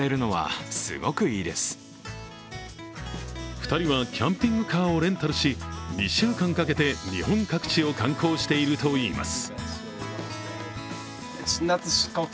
２人はキャンピングカーをレンタルし、２週間かけて日本各地を観光しているといいます。